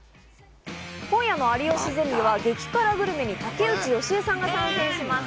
今夜の『有吉ゼミ』は激辛グルメに竹内由恵さんが参戦します。